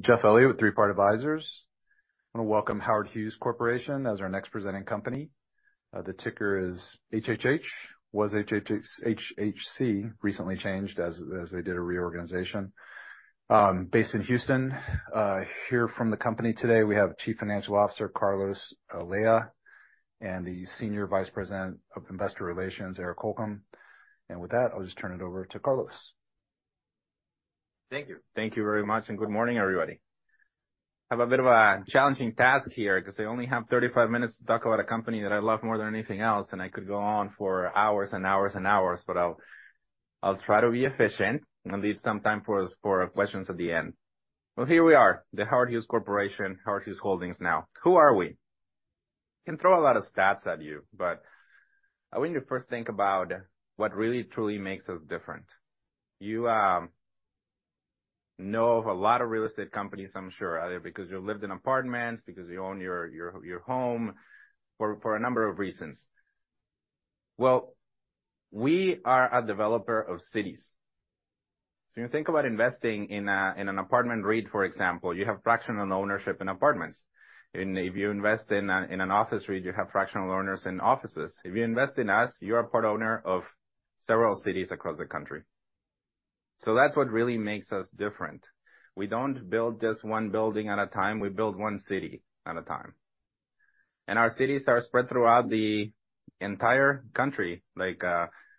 Jeff Elliott with Three Part Advisors. I want to welcome Howard Hughes Corporation as our next presenting company. The ticker is HHH, was HHH, HHC, recently changed as they did a reorganization. Based in Houston. Here from the company today, we have Chief Financial Officer, Carlos Olea, and the Senior Vice President of Investor Relations, Eric Holcomb. With that, I'll just turn it over to Carlos. Thank you. Thank you very much, good morning, everybody. I have a bit of a challenging task here because I only have 35 minutes to talk about a company that I love more than anything else, and I could go on for hours and hours and hours, but I'll try to be efficient and leave some time for questions at the end. Well, here we are, The Howard Hughes Corporation, Howard Hughes Holdings now. Who are we? I can throw a lot of stats at you. I want you to first think about what really, truly makes us different. You know of a lot of real estate companies, I'm sure, either because you lived in apartments, because you own your home, for a number of reasons. Well, we are a developer of cities. When you think about investing in an apartment REIT, for example, you have fractional ownership in apartments. If you invest in an office REIT, you have fractional owners in offices. If you invest in us, you are a part owner of several cities across the country. That's what really makes us different. We don't build just one building at a time, we build one city at a time. Our cities are spread throughout the entire country, like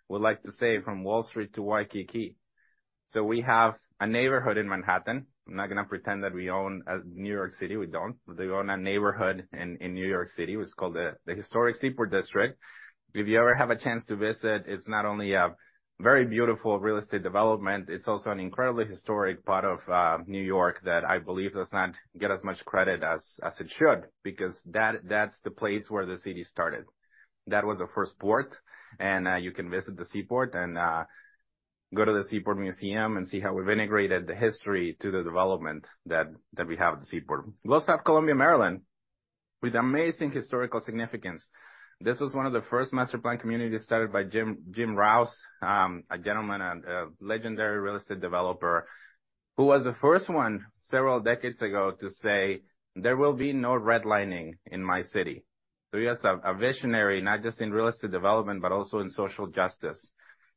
we like to say, from Wall Street to Waikiki. We have a neighborhood in Manhattan. I'm not going to pretend that we own New York City. We don't. We own a neighborhood in New York City, which is called the Historic Seaport District. If you ever have a chance to visit, it's not only a very beautiful real estate development, it's also an incredibly historic part of New York that I believe does not get as much credit as it should, because that, that's the place where the city started. That was the first port. You can visit the seaport and go to the Seaport Museum and see how we've integrated the history to the development that we have at the seaport. We also have Columbia, Maryland, with amazing historical significance. This was one of the first master planned communities started by Jim, Jim Rouse, a gentleman and a legendary real estate developer, who was the first one, several decades ago, to say, "There will be no redlining in my city." He was a, a visionary, not just in real estate development, but also in social justice.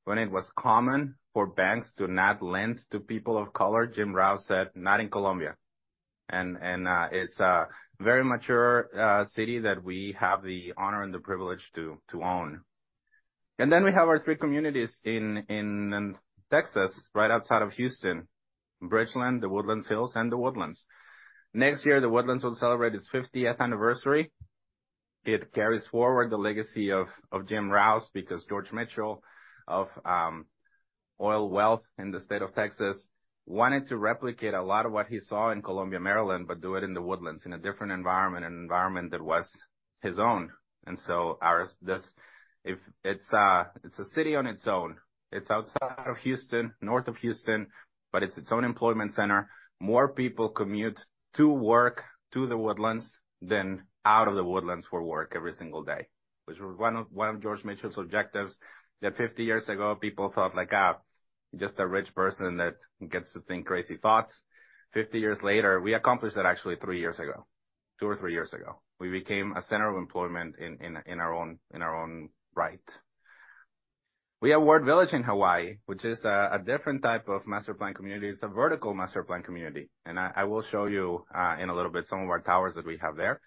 When it was common for banks to not lend to people of color, Jim Rouse said, "Not in Columbia." It's a very mature city that we have the honor and the privilege to, to own. Then we have our three communities in, in Texas, right outside of Houston: Bridgeland, The Woodlands Hills, and The Woodlands. Next year, The Woodlands will celebrate its 50th anniversary. It carries forward the legacy of Jim Rouse because George Mitchell, of oil wealth in the state of Texas, wanted to replicate a lot of what he saw in Columbia, Maryland, but do it in The Woodlands, in a different environment, an environment that was his own. Ours, it's a city on its own. It's outside of Houston, north of Houston, but it's its own employment center. More people commute to work to The Woodlands than out of The Woodlands for work every single day, which was one of George Mitchell's objectives, that 50 years ago, people thought, like, "Just a rich person that gets to think crazy thoughts." 50 years later, we accomplished that actually three years ago, two or three years ago. We became a center of employment in our own right. We have Ward Village in Hawaii, which is a different type of master planned community. It's a vertical master planned community, and I, I will show you in a little bit, some of our towers that we have there.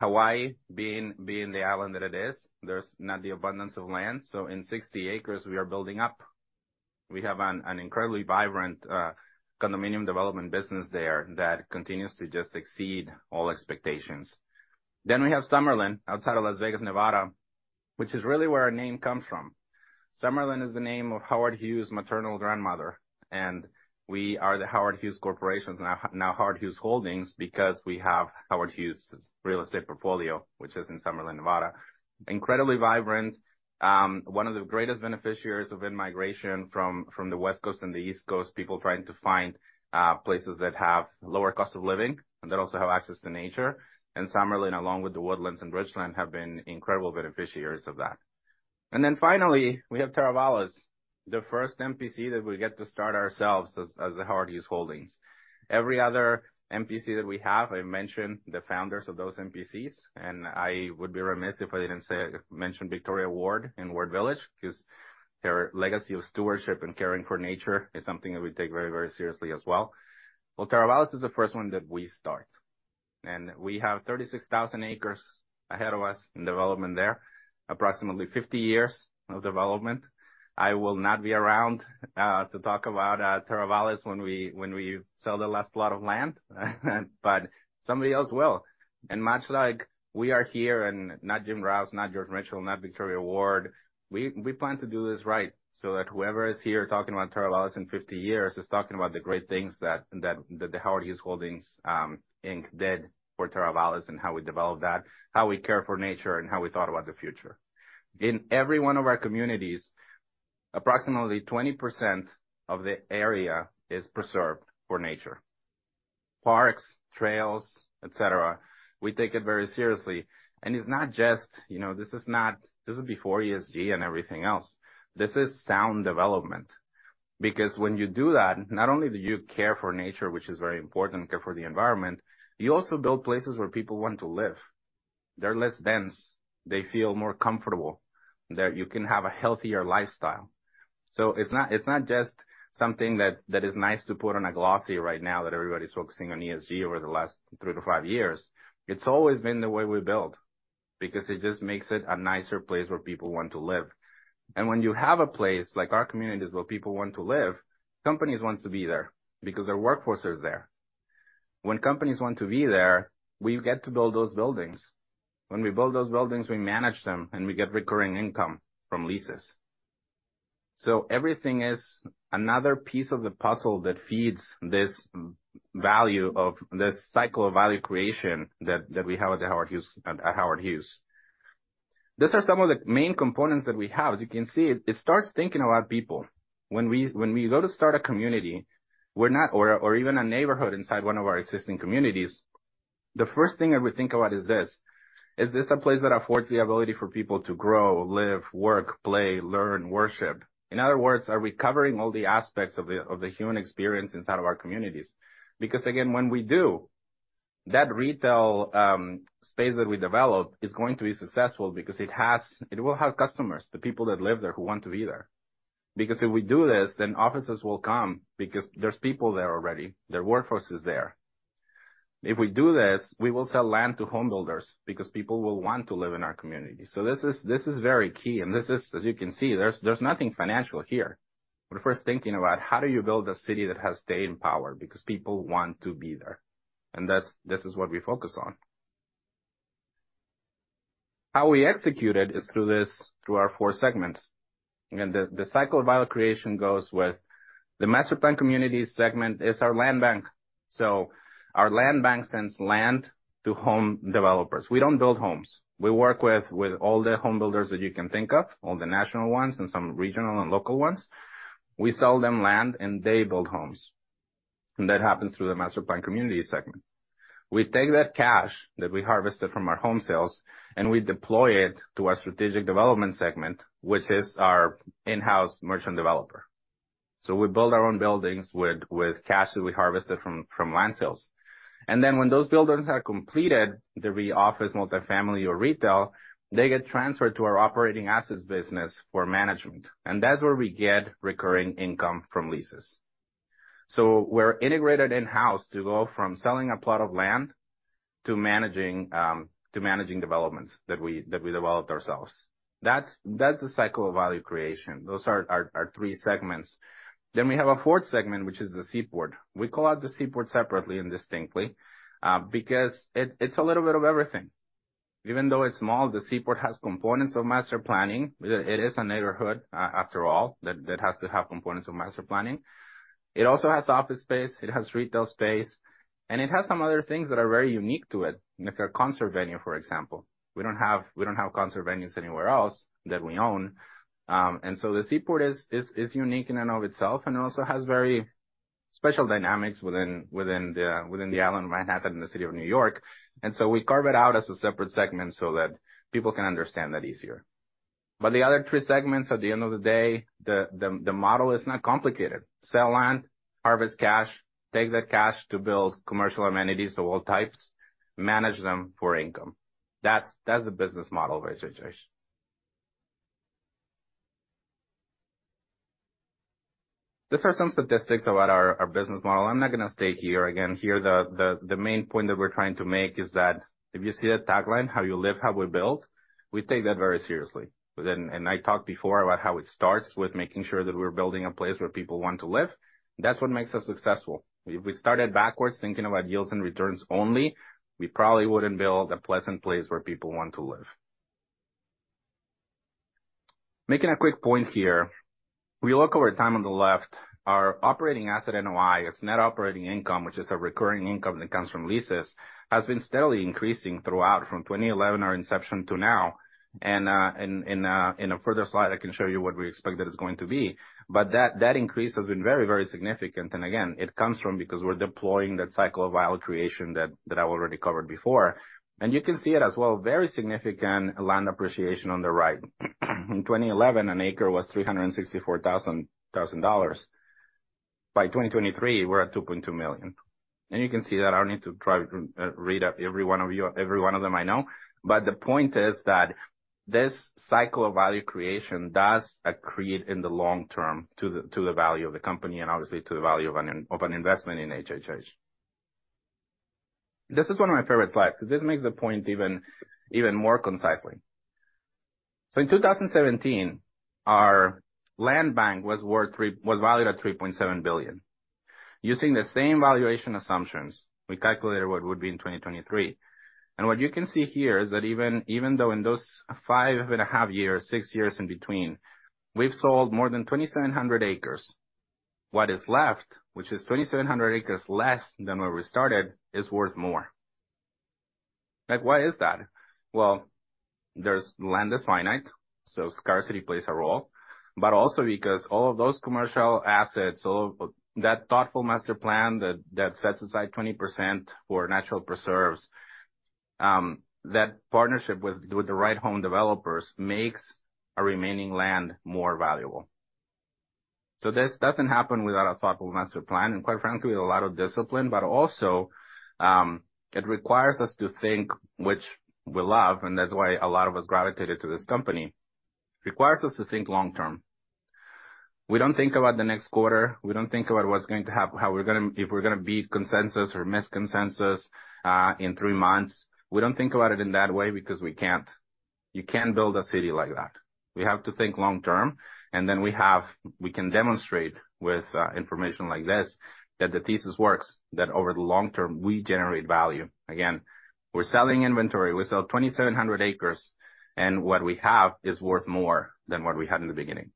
Hawaii being, being the island that it is, there's not the abundance of land, so in 60 acres, we are building up. We have an, an incredibly vibrant condominium development business there that continues to just exceed all expectations. We have Summerlin, outside of Las Vegas, Nevada, which is really where our name comes from. Summerlin is the name of Howard Hughes' maternal grandmother, and we are the Howard Hughes Corporation, now Howard Hughes Holdings, because we have Howard Hughes' real estate portfolio, which is in Summerlin, Nevada. Incredibly vibrant, one of the greatest beneficiaries of in-migration from, from the West Coast and the East Coast, people trying to find places that have lower cost of living and that also have access to nature. Summerlin, along with The Woodlands and Bridgeland, have been incredible beneficiaries of that. Finally, we have Teravalis, the first MPC that we get to start ourselves as, as the Howard Hughes Holdings. Every other MPC that we have, I mentioned the founders of those MPCs, and I would be remiss if I didn't say, mention Victoria Ward in Ward Village, because her legacy of stewardship and caring for nature is something that we take very, very seriously as well. Teravalis is the first one that we start, and we have 36,000 acres ahead of us in development there, approximately 50 years of development. I will not be around to talk about Teravalis when we, when we sell the last plot of land, but somebody else will. Much like we are here, and not Jim Rouse, not George Mitchell, not Victoria Ward, we, we plan to do this right, so that whoever is here talking about Teravalis in 50 years is talking about the great things that, that, that the Howard Hughes Holdings Inc. did for Teravalis and how we developed that, how we care for nature, and how we thought about the future. In every one of our communities, approximately 20% of the area is preserved for nature.... parks, trails, et cetera. We take it very seriously. It's not just, you know, this is not- this is before ESG and everything else. This is sound development, because when you do that, not only do you care for nature, which is very important, care for the environment, you also build places where people want to live. They're less dense, they feel more comfortable, there you can have a healthier lifestyle. It's not, it's not just something that, that is nice to put on a glossy right now that everybody's focusing on ESG over the last 3-5 years. It's always been the way we build, because it just makes it a nicer place where people want to live. When you have a place like our communities, where people want to live, companies wants to be there because their workforce is there. When companies want to be there, we get to build those buildings. When we build those buildings, we manage them, and we get recurring income from leases. Everything is another piece of the puzzle that feeds this value of, this cycle of value creation that, that we have at Howard Hughes, at Howard Hughes. These are some of the main components that we have. As you can see, it starts thinking about people. When we, when we go to start a community, or, or even a neighborhood inside one of our existing communities, the first thing that we think about is this: Is this a place that affords the ability for people to grow, live, work, play, learn, worship? In other words, are we covering all the aspects of the, of the human experience inside of our communities? Again, when we do, that retail space that we develop is going to be successful because it will have customers, the people that live there who want to be there. Because if we do this, then offices will come because there's people there already, their workforce is there. If we do this, we will sell land to homebuilders because people will want to live in our community. This is, this is very key, and this is, as you can see, there's, there's nothing financial here. We're first thinking about how do you build a city that has staying power because people want to be there, and this is what we focus on. How we execute it is through this, through our four segments. The, the cycle of value creation goes with the master-planned communities segment is our land bank. Our land bank sends land to home developers. We don't build homes. We work with, with all the home builders that you can think of, all the national ones and some regional and local ones. We sell them land, and they build homes, and that happens through the master planned community segment. We take that cash that we harvested from our home sales, and we deploy it to our strategic development segment, which is our in-house merchant developer. We build our own buildings with, with cash that we harvested from, from land sales. When those buildings are completed, they'll be office, multifamily or retail, they get transferred to our operating assets business for management, and that's where we get recurring income from leases. We're integrated in-house to go from selling a plot of land to managing, to managing developments that we, that we developed ourselves. That's, that's the cycle of value creation. Those are our, our three segments. We have a fourth segment, which is the Seaport. We call out the Seaport separately and distinctly, because it's a little bit of everything. Even though it's small, the Seaport has components of master planning. It is a neighborhood, after all, that has to have components of master planning. It also has office space, it has retail space, and it has some other things that are very unique to it, like a concert venue, for example. We don't have, we don't have concert venues anywhere else that we own. The Seaport is unique in and of itself and also has very special dynamics within the island of Manhattan in the city of New York. We carve it out as a separate segment so that people can understand that easier. The other three segments, at the end of the day, the, the, the model is not complicated. Sell land, harvest cash, take that cash to build commercial amenities of all types, manage them for income. That's, that's the business model of HHH. These are some statistics about our, our business model. I'm not gonna stay here. Again, here, the, the, the main point that we're trying to make is that if you see the tagline, "How you live, how we build," we take that very seriously. I talked before about how it starts with making sure that we're building a place where people want to live. That's what makes us successful. If we started backwards, thinking about yields and returns only, we probably wouldn't build a pleasant place where people want to live. Making a quick point here, we look over time on the left, our operating asset NOI, it's net operating income, which is a recurring income that comes from leases, has been steadily increasing throughout, from 2011, our inception, to now. In a further slide, I can show you what we expect that it's going to be. That, that increase has been very, very significant. Again, it comes from because we're deploying that cycle of value creation that, that I already covered before. You can see it as well, very significant land appreciation on the right. In 2011, an acre was $364,000. By 2023, we're at $2.2 million. You can see that I don't need to try to read out every one of you, every one of them I know. The point is that this cycle of value creation does accrete in the long term to the, to the value of the company, and obviously to the value of an, of an investment in HHH. This is one of my favorite slides because this makes the point even, even more concisely. In 2017, our land bank was valued at $3.7 billion. Using the same valuation assumptions, we calculated what it would be in 2023. What you can see here is that even, even though in those 5.5 years, 6 years in between, we've sold more than 2,700 acres. What is left, which is 2,700 acres less than where we started, is worth more. Like, why is that? Well, there's, land is finite, so scarcity plays a role. Also because all of those commercial assets, all of that thoughtful master plan that, that sets aside 20% for natural preserves, that partnership with, with the right home developers makes a remaining land more valuable. This doesn't happen without a thoughtful master plan, and quite frankly, a lot of discipline, but also, it requires us to think, which we love, and that's why a lot of us gravitated to this company. Requires us to think long term. We don't think about the next quarter. We don't think about what's going to happen if we're gonna beat consensus or miss consensus in three months. We don't think about it in that way because we can't. You can't build a city like that. We have to think long term, then we can demonstrate with information like this, that the thesis works, that over the long term, we generate value. Again, we're selling inventory. We sell 2,700 acres, what we have is worth more than what we had in the beginning.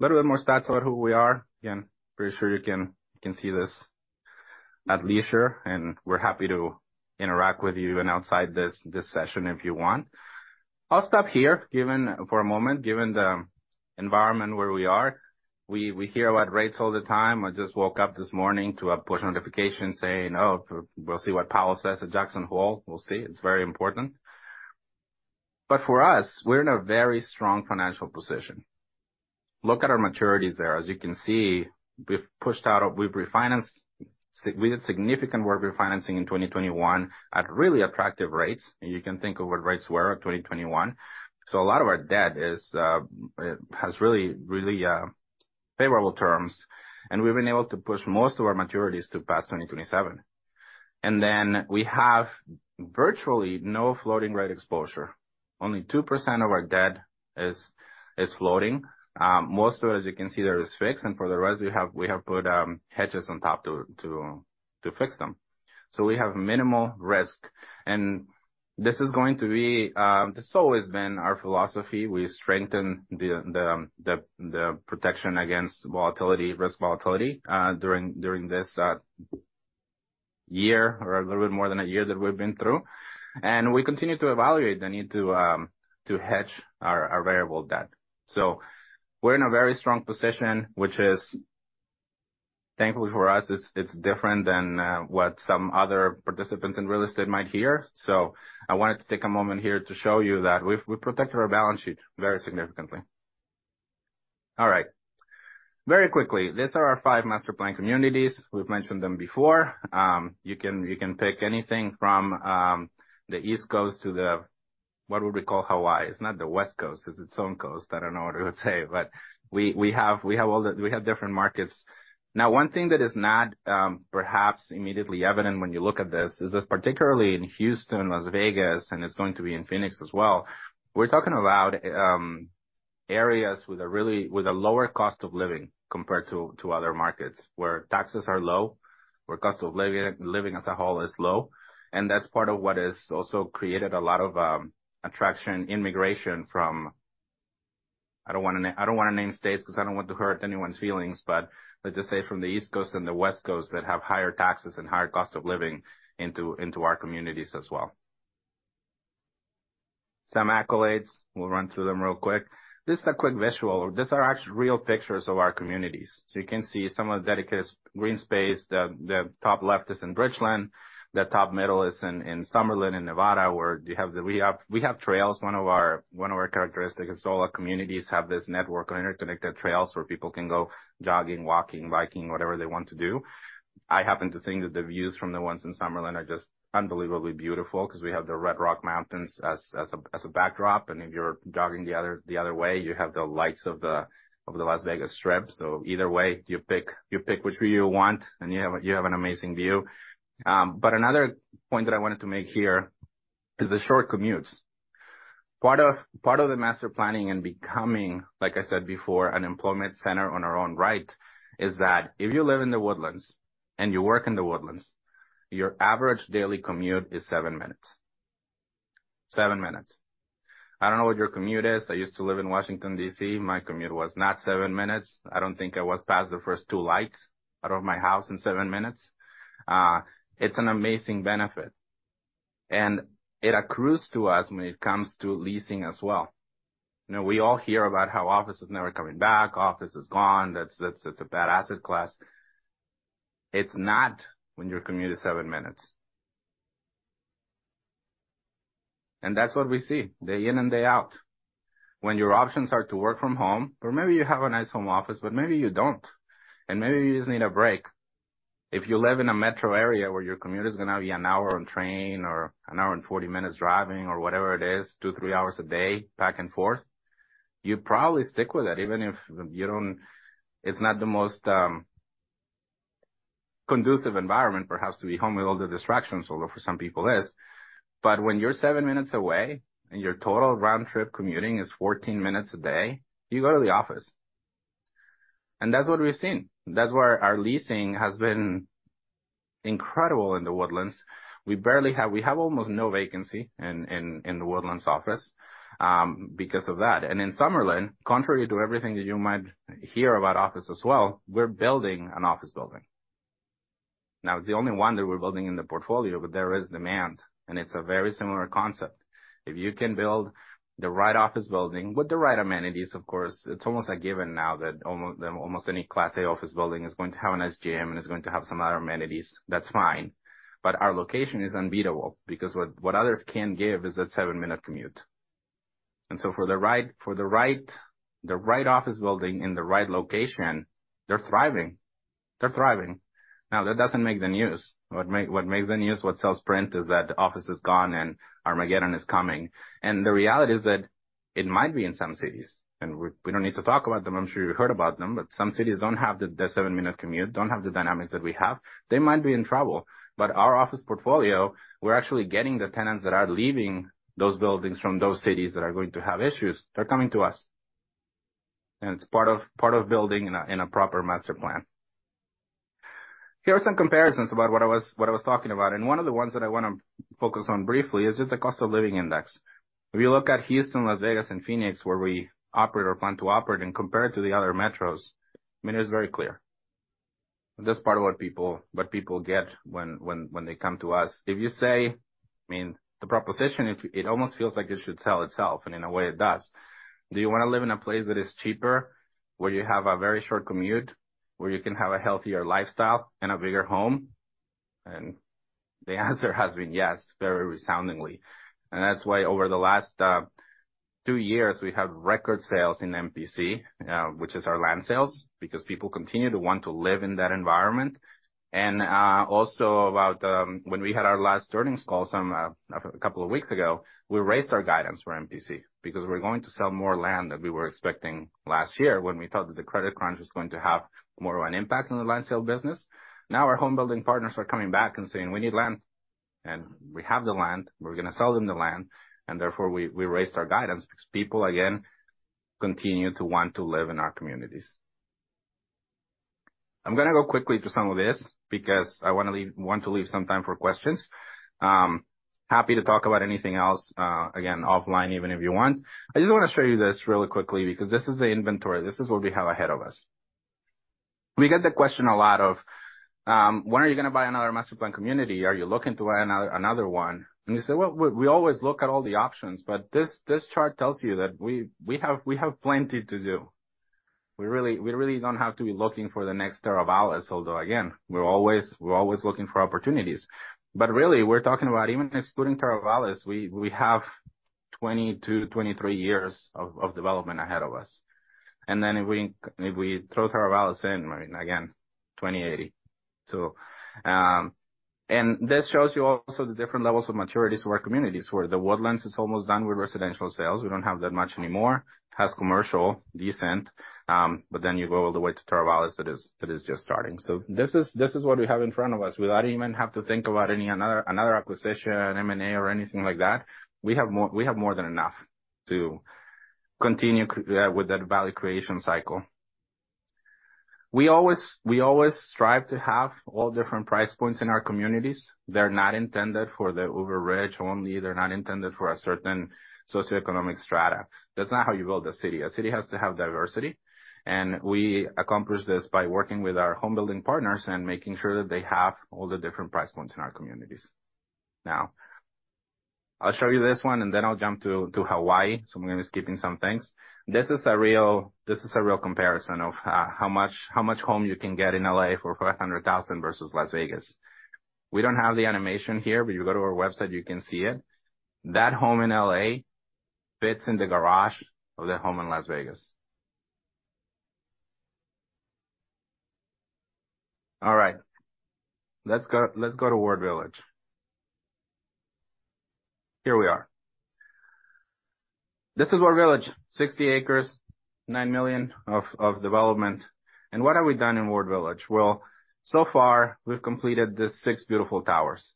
Little bit more stats about who we are. Again, pretty sure you can, you can see this at leisure, we're happy to interact with you and outside this, this session if you want. I'll stop here, given, for a moment, given the environment where we are. We, we hear about rates all the time. I just woke up this morning to a push notification saying, oh, we'll see what Powell says at Jackson Hole. We'll see. It's very important. For us, we're in a very strong financial position. Look at our maturities there. As you can see, we've pushed out, we've refinanced, we did significant work refinancing in 2021 at really attractive rates. You can think of what rates were at 2021. A lot of our debt is has really, really favorable terms, and we've been able to push most of our maturities to past 2027. We have virtually no floating rate exposure. Only 2% of our debt is, is floating. Most of it, as you can see, there is fixed, and for the rest, we have, we have put hedges on top to fix them. We have minimal risk, and this is going to be. This has always been our philosophy. We strengthen the, the, the, the protection against volatility, risk volatility, during, during this year, or a little bit more than a year that we've been through. We continue to evaluate the need to hedge our variable debt. We're in a very strong position, which is, thankfully for us, it's, it's different than what some other participants in real estate might hear. I wanted to take a moment here to show you that we've, we've protected our balance sheet very significantly. All right. Very quickly, these are our five master planned communities. We've mentioned them before. You can, you can pick anything from the East Coast to the, what we would call Hawaii. It's not the West Coast, it's its own coast. I don't know what it would say, but we, we have, we have all the, we have different markets. One thing that is not perhaps immediately evident when you look at this, is this particularly in Houston, Las Vegas, and it's going to be in Phoenix as well. We're talking about areas with a really with a lower cost of living compared to other markets, where taxes are low, where cost of living, living as a whole is low. That's part of what has also created a lot of attraction, immigration from. I don't wanna name states because I don't want to hurt anyone's feelings, but let's just say from the East Coast and the West Coast, that have higher taxes and higher cost of living into our communities as well. Some accolades. We'll run through them real quick. This is a quick visual. These are actually real pictures of our communities. You can see some of the dedicated green space. The top left is in Bridgeland, the top middle is in Summerlin, in Nevada, where we have trails. One of our characteristics is all our communities have this network of interconnected trails where people can go jogging, walking, biking, whatever they want to do. I happen to think that the views from the ones in Summerlin are just unbelievably beautiful because we have the Red Rock Mountains as a backdrop, and if you're jogging the other way, you have the lights of the Las Vegas Strip. Either way, you pick which view you want, and you have an amazing view. Another point that I wanted to make here is the short commutes. Part of, part of the master planning and becoming, like I said before, an employment center on our own right, is that if you live in The Woodlands and you work in The Woodlands, your average daily commute is 7 minutes. 7 minutes. I don't know what your commute is. I used to live in Washington, D.C. My commute was not 7 minutes. I don't think I was past the first two lights out of my house in 7 minutes. It's an amazing benefit, and it accrues to us when it comes to leasing as well. You know, we all hear about how office is never coming back, office is gone, that's, that's a bad asset class. It's not when your commute is 7 minutes. That's what we see, day in and day out. When your options are to work from home or maybe you have a nice home office, but maybe you don't, and maybe you just need a break. If you live in a metro area where your commute is gonna be 1 hour on train or 1 hour and 40 minutes driving or whatever it is, 2, 3 hours a day, back and forth, you probably stick with it, even if you don't. It's not the most conducive environment, perhaps, to be home with all the distractions, although for some people it is. When you're 7 minutes away and your total round trip commuting is 14 minutes a day, you go to the office. That's what we've seen. That's where our leasing has been incredible in The Woodlands. We barely have we have almost no vacancy in The Woodlands office because of that. In Summerlin, contrary to everything that you might hear about office as well, we're building an office building. It's the only one that we're building in the portfolio, but there is demand, and it's a very similar concept. If you can build the right office building with the right amenities, of course, it's almost a given now that almost any Class A office building is going to have a nice gym and is going to have some other amenities. That's fine. Our location is unbeatable because what, what others can give is that 7-minute commute. So for the right, for the right, the right office building in the right location, they're thriving. They're thriving. That doesn't make the news. What makes the news, what sells print, is that the office is gone and Armageddon is coming. The reality is that it might be in some cities, and we, we don't need to talk about them. I'm sure you heard about them. Some cities don't have the, the seven-minute commute, don't have the dynamics that we have. They might be in trouble, but our office portfolio, we're actually getting the tenants that are leaving those buildings from those cities that are going to have issues. They're coming to us, and it's part of, part of building in a, in a proper master plan. Here are some comparisons about what I was, what I was talking about, and one of the ones that I wanna focus on briefly is just the cost of living index. If you look at Houston, Las Vegas, and Phoenix, where we operate or plan to operate, and compare it to the other metros, I mean, it's very clear. That's part of what people, what people get when, when, when they come to us. If you say, I mean, the proposition, it almost feels like it should sell itself, and in a way, it does. Do you wanna live in a place that is cheaper, where you have a very short commute, where you can have a healthier lifestyle and a bigger home? The answer has been yes, very resoundingly. That's why over the last, 2 years, we have record sales in MPC, which is our land sales, because people continue to want to live in that environment. Also about, when we had our last earnings call some a couple of weeks ago, we raised our guidance for MPC because we're going to sell more land than we were expecting last year, when we thought that the credit crunch was going to have more of an impact on the land sale business. Our home building partners are coming back and saying, "We need land." We have the land. We're gonna sell them the land, and therefore, we, we raised our guidance because people, again, continue to want to live in our communities. I'm gonna go quickly through some of this because I wanna leave, want to leave some time for questions. Happy to talk about anything else, again, offline, even if you want. I just wanna show you this really quickly because this is the inventory. This is what we have ahead of us. We get the question a lot of: When are you gonna buy another master-planned community? Are you looking to buy another, another one? We say, "Well, we, we always look at all the options," but this, this chart tells you that we, we have, we have plenty to do. We really, we really don't have to be looking for the next Teravalis, although again, we're always, we're always looking for opportunities. Really, we're talking about even excluding Teravalis, we, we have 20-23 years of, of development ahead of us. If we, if we throw Teravalis in, I mean, again, 2080. This shows you also the different levels of maturities of our communities, where The Woodlands is almost done with residential sales. We don't have that much anymore. It has commercial, decent, but then you go all the way to Teravalis, that is, that is just starting. This is, this is what we have in front of us. We don't even have to think about any another, another acquisition, M&A or anything like that. We have more, we have more than enough to continue c- with that value creation cycle. We always, we always strive to have all different price points in our communities. They're not intended for the uber-rich only. They're not intended for a certain socioeconomic strata. That's not how you build a city. A city has to have diversity, and we accomplish this by working with our home building partners and making sure that they have all the different price points in our communities. Now, I'll show you this one, then I'll jump to Hawaii, so I'm gonna be skipping some things. This is a real, this is a real comparison of how much, how much home you can get in L.A. for $500,000 versus Las Vegas. We don't have the animation here, but you go to our website, you can see it. That home in L.A. fits in the garage of the home in Las Vegas. All right, let's go, let's go to Ward Village. Here we are. This is Ward Village, 60 acres, $9 million of development. What have we done in Ward Village? Well, so far, we've completed these 6 beautiful towers.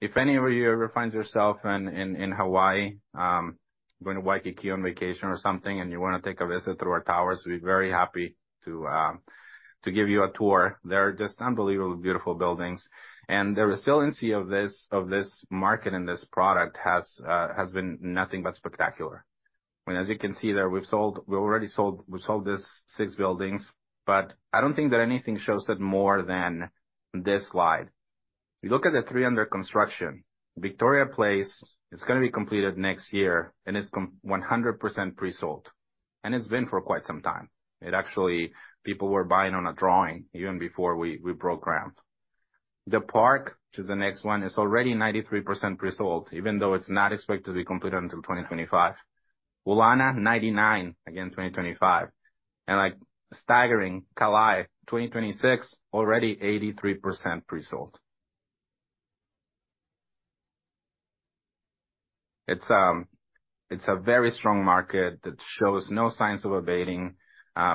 If any of you ever finds yourself in, in, in Hawaii, going to Waikiki on vacation or something, you wanna take a visit through our towers, we'd be very happy to give you a tour. They're just unbelievably beautiful buildings, and the resiliency of this, of this market and this product has been nothing but spectacular. I mean, as you can see there, we've sold, we already sold, we've sold these six buildings, but I don't think that anything shows it more than this slide. You look at the three under construction. Victoria Place is gonna be completed next year, and it's 100% pre-sold, and it's been for quite some time. It actually. People were buying on a drawing even before we, we broke ground. The Park, which is the next one, is already 93% pre-sold, even though it's not expected to be completed until 2025. Ulana, 99, again, 2025. Like, staggering, Kalae, 2026, already 83% pre-sold. It's a very strong market that shows no signs of abating.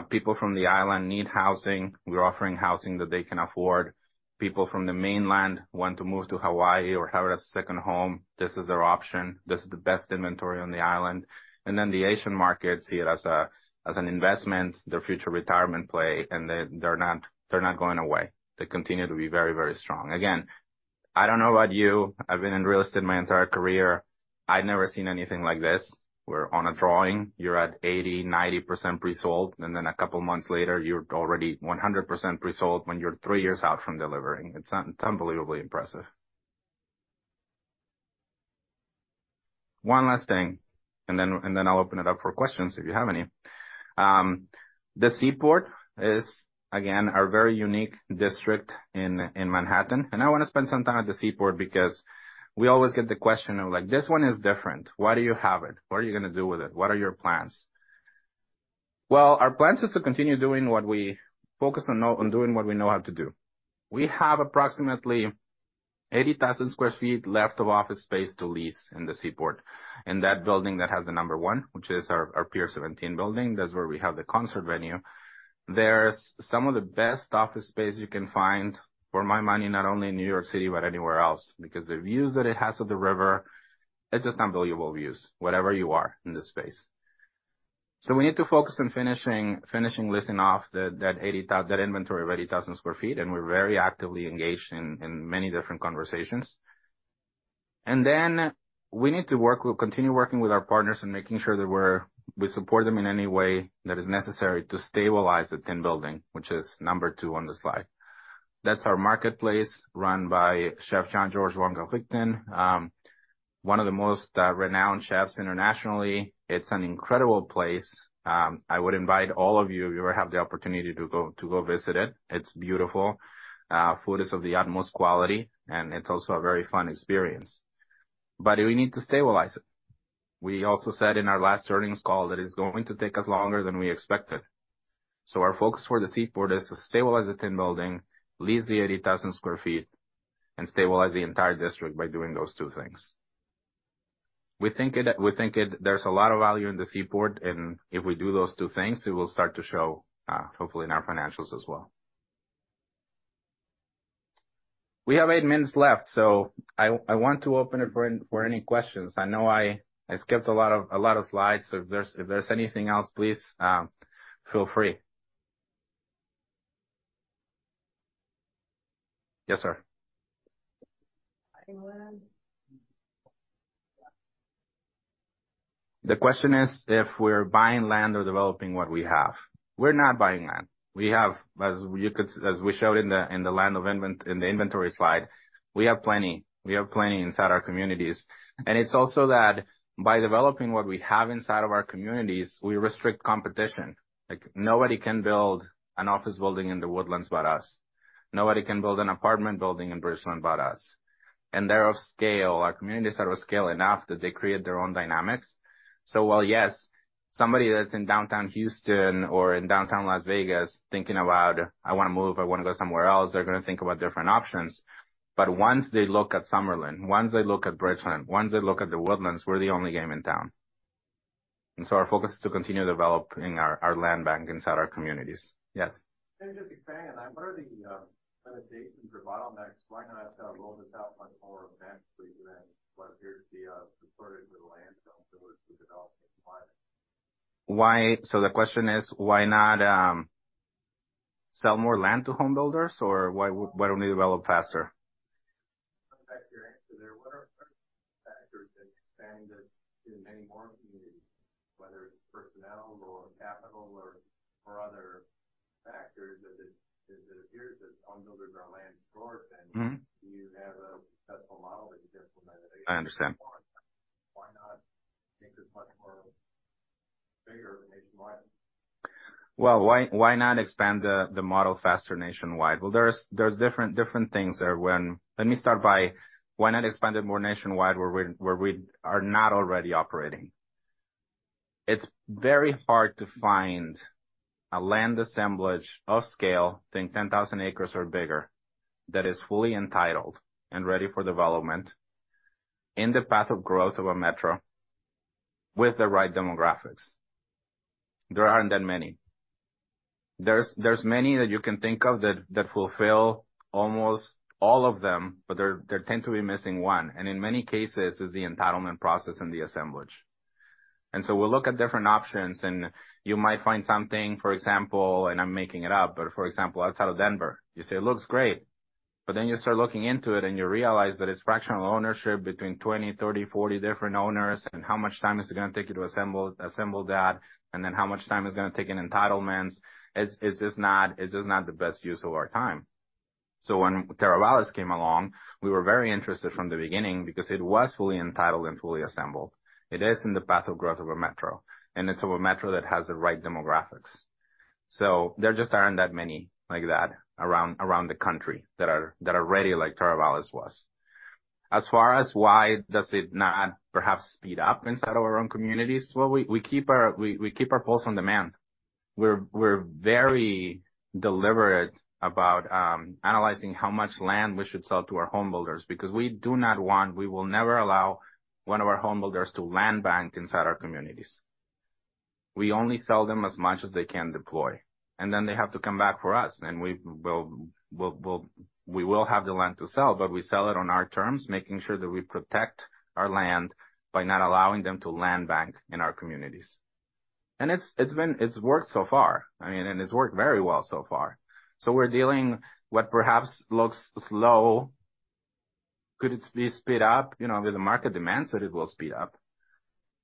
People from the island need housing. We're offering housing that they can afford. People from the mainland want to move to Hawaii or have a second home. This is their option. This is the best inventory on the island. The Asian market see it as a, as an investment, their future retirement play, and they, they're not, they're not going away. They continue to be very, very strong. Again. I don't know about you. I've been in real estate my entire career. I've never seen anything like this, where on a drawing, you're at 80%-90% pre-sold, and then a couple of months later, you're already 100% pre-sold when you're three years out from delivering. It's unbelievably impressive. One last thing, and then I'll open it up for questions if you have any. The Seaport is, again, a very unique district in Manhattan, and I wanna spend some time at the Seaport because we always get the question of, like, "This one is different. Why do you have it? What are you gonna do with it? What are your plans?" Well, our plan is to continue doing what we focus on, on doing what we know how to do. We have approximately 80,000 sq ft left of office space to lease in the Seaport. That building that has the number one, which is our Pier 17 building, that's where we have the concert venue. There's some of the best office space you can find for my money, not only in New York City, but anywhere else, because the views that it has of the river, it's just unbelievable views, wherever you are in this space. We need to focus on finishing leasing off that inventory of 80,000 sq ft, and we're very actively engaged in many different conversations. We'll continue working with our partners and making sure that we support them in any way that is necessary to stabilize the Tin Building, which is number two on the slide. That's our marketplace, run by Chef Jean-Georges Vongerichten, one of the most renowned chefs internationally. It's an incredible place. I would invite all of you, if you ever have the opportunity to go, to go visit it. It's beautiful. Food is of the utmost quality, and it's also a very fun experience. We need to stabilize it. We also said in our last earnings call that it's going to take us longer than we expected. Our focus for the Seaport is to stabilize the Tin Building, lease the 80,000 sq ft, and stabilize the entire district by doing those two things. We think it, we think there's a lot of value in the Seaport, and if we do those two things, it will start to show, hopefully in our financials as well. We have eight minutes left, so I, I want to open it for, for any questions. I know I, I skipped a lot of, a lot of slides. If there's, if there's anything else, please, feel free. Yes, sir. Buying land? The question is, if we're buying land or developing what we have. We're not buying land. We have, as you could as we showed in the inventory slide, we have plenty. We have plenty inside our communities. It's also that by developing what we have inside of our communities, we restrict competition. Like, nobody can build an office building in The Woodlands but us. Nobody can build an apartment building in Bridgeland but us. They're of scale. Our communities are of scale enough that they create their own dynamics. While, yes, somebody that's in downtown Houston or in downtown Las Vegas thinking about, I wanna move, I wanna go somewhere else, they're gonna think about different options. Once they look at Summerlin, once they look at Bridgeland, once they look at The Woodlands, we're the only game in town. Our focus is to continue developing our, our land bank inside our communities. Yes. Just expanding on that, what are the limitations or bottlenecks? Why not roll this out much more effectively than what appears to be purported with the land development? The question is, why not sell more land to homebuilders or why, why don't we develop faster? Go back to your answer there. What are factors that expand this in many more communities, whether it's personnel or capital or, or other factors, that it, it appears that homebuilders are land short, and- Do you have a successful model that you've implemented? I understand. Why not make this much more bigger nationwide? Well, why, why not expand the, the model faster nationwide? Well, there's, there's different, different things there. Let me start by why not expand it more nationwide, where we, where we are not already operating? It's very hard to find a land assemblage of scale, think 10,000 acres or bigger, that is fully entitled and ready for development in the path of growth of a metro with the right demographics. There aren't that many. There's, there's many that you can think of that, that fulfill almost all of them, but there, there tend to be missing one, and in many cases, is the entitlement process and the assemblage. So we'll look at different options, and you might find something, for example, and I'm making it up, for example, outside of Denver, you say, "It looks great." Then you start looking into it, and you realize that it's fractional ownership between 20, 30, 40 different owners, how much time is it gonna take you to assemble that? Then how much time is it gonna take in entitlements? It's just not the best use of our time. When Teravalis came along, we were very interested from the beginning because it was fully entitled and fully assembled. It is in the path of growth of a metro, and it's of a metro that has the right demographics. There just aren't that many like that around, around the country that are, that are ready like Teravalis was. As far as why does it not perhaps speed up inside of our own communities? Well, we keep our pulse on demand. We're very deliberate about analyzing how much land we should sell to our homebuilders, because we do not want, we will never allow one of our homebuilders to land bank inside our communities. We only sell them as much as they can deploy. Then they have to come back for us, and we will have the land to sell. We sell it on our terms, making sure that we protect our land by not allowing them to land bank in our communities. It's been, it's worked so far. I mean, it's worked very well so far. We're dealing what perhaps looks slow. Could it be speed up? You know, if the market demands it, it will speed up.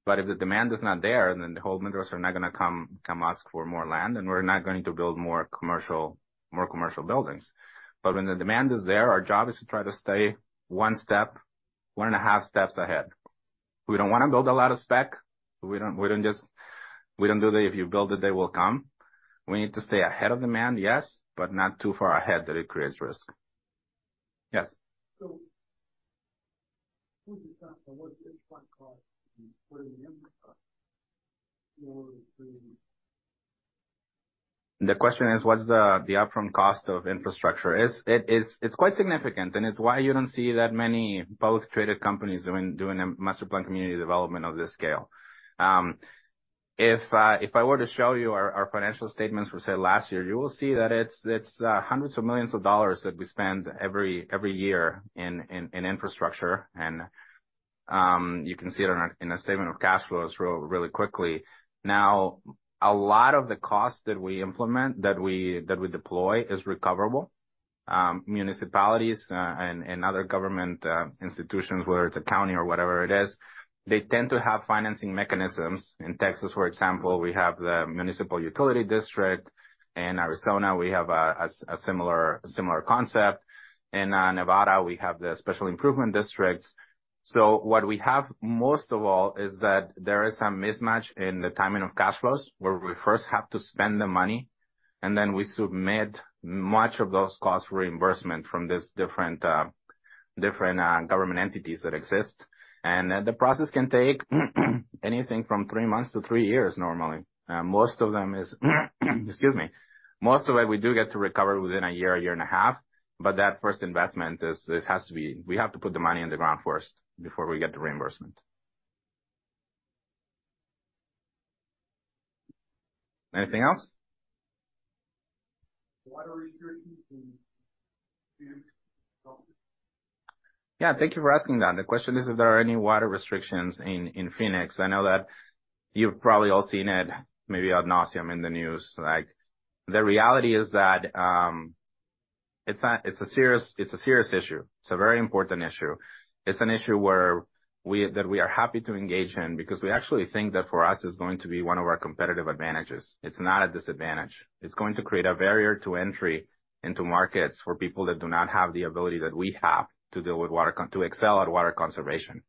If the demand is not there, then the home builders are not gonna come ask for more land, and we're not going to build more commercial buildings. When the demand is there, our job is to try to stay one step, one and a half steps ahead. We don't wanna build a lot of spec. We don't do the, if you build it, they will come. We need to stay ahead of demand, yes, but not too far ahead that it creates risk. Yes? What's the upfront cost and what are the infrastructure? The question is, what's the upfront cost of infrastructure? It's quite significant, and it's why you don't see that many public traded companies doing a master planned community development of this scale. If I were to show you our financial statements for, say, last year, you will see that it's hundreds of millions of dollars that we spend every year in infrastructure. You can see it in our in the statement of cash flows really quickly. Now, a lot of the costs that we implement, that we deploy is recoverable. Municipalities and other government institutions, whether it's a county or whatever it is, they tend to have financing mechanisms. In Texas, for example, we have the municipal utility district. In Arizona, we have a, a similar, similar concept. In Nevada, we have the Special Improvement Districts. What we have, most of all, is that there is some mismatch in the timing of cash flows, where we first have to spend the money, and then we submit much of those costs reimbursement from these different, different government entities that exist. The process can take anything from 3 months to 3 years, normally. Most of them is, excuse me. Most of it, we do get to recover within a year, a year and a half, but that first investment is, We have to put the money in the ground first before we get the reimbursement. Anything else? Water restrictions in Phoenix. Yeah. Thank you for asking that. The question is, if there are any water restrictions in, in Phoenix? I know that you've probably all seen it, maybe ad nauseam in the news. Like, the reality is that, it's a, it's a serious, it's a serious issue. It's a very important issue. It's an issue where we, that we are happy to engage in, because we actually think that for us, it's going to be one of our competitive advantages. It's not a disadvantage. It's going to create a barrier to entry into markets for people that do not have the ability that we have to deal with water con- to excel at water conservation.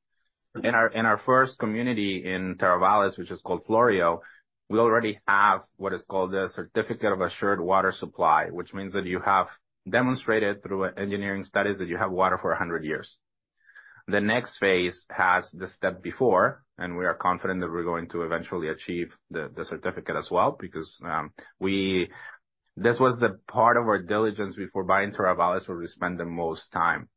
In our, in our first community in Teravalis, which is called Floreo, we already have what is called a Certificate of Assured Water Supply, which means that you have demonstrated through engineering studies that you have water for 100 years. The next phase has the step before, and we are confident that we're going to eventually achieve the, the certificate as well, because. This was the part of our diligence before buying Teravalis, where we spend the most time.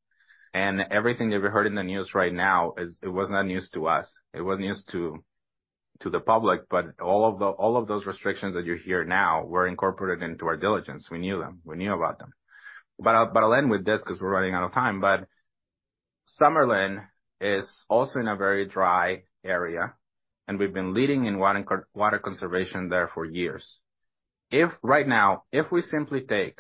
Everything that we heard in the news right now is, it was not news to us. It was news to, to the public, but all of the, all of those restrictions that you hear now were incorporated into our diligence. We knew them. We knew about them. I'll end with this because we're running out of time. Summerlin is also in a very dry area, and we've been leading in water conservation there for years. If right now, if we simply take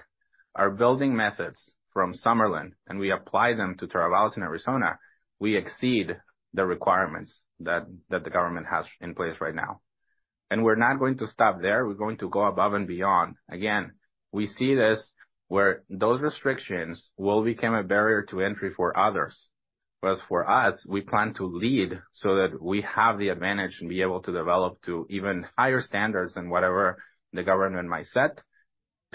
our building methods from Summerlin, and we apply them to Teravalis in Arizona, we exceed the requirements that the government has in place right now. We're not going to stop there. We're going to go above and beyond. Again, we see this where those restrictions will become a barrier to entry for others. For us, we plan to lead so that we have the advantage and be able to develop to even higher standards than whatever the government might set,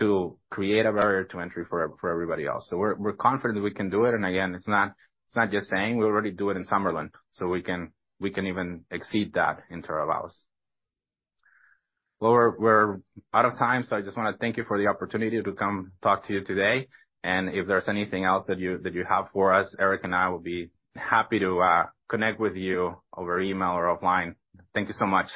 to create a barrier to entry for everybody else. We're confident we can do it. again, it's not, it's not just saying, we already do it in Summerlin, so we can, we can even exceed that in Teravalis. Well, we're, we're out of time, so I just wanna thank you for the opportunity to come talk to you today. If there's anything else that you, that you have for us, Eric and I will be happy to connect with you over email or offline. Thank you so much.